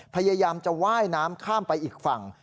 พยายามจะว่ายน้ำข้ามไปอีกฝั่ง